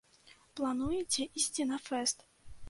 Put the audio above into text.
Плануеце ісці на фэст?